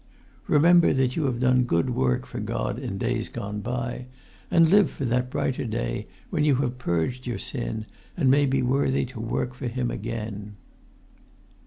Remember that you have done good work for God in days gone by; and live for that brighter day when you have purged your sin, and may be worthy to work for Him again."